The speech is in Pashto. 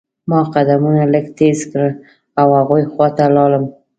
ما قدمونه لږ تیز کړل او هغوی خوا ته لاړم.